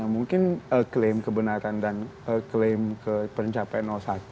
mungkin klaim kebenaran dan klaim ke pencapaian satu